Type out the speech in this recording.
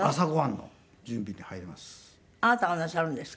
あなたがなさるんですか？